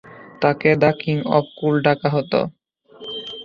তাকে "the king of cool" ডাকা হত।